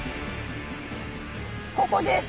ここです。